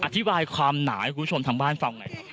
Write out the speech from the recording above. อธิบายความหนาให้คุณชนทางบ้านฟังไหน